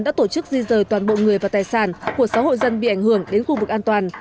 đã tổ chức di rời toàn bộ người và tài sản của sáu hộ dân bị ảnh hưởng đến khu vực an toàn